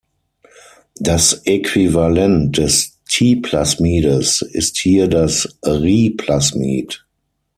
Das Äquivalent des Ti-Plasmides ist hier das Ri-Plasmid.